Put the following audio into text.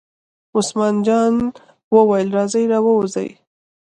عثمان جان وویل: راځئ را ووځئ.